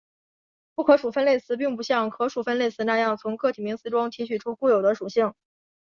不可数分类词并不像可数分类词那样从个体名词中提取出固有的属性。